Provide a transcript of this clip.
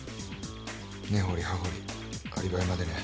根掘り葉掘りアリバイまでね。